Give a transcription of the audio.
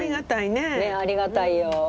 ねえありがたいよ。